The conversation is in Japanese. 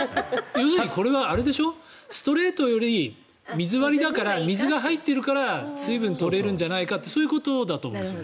要するに、これはストレートより水割りだから水が入っているから水分を取れるんじゃないかってそういうことだと思うんです。